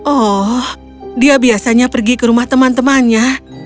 oh dia biasanya pergi ke rumah teman temannya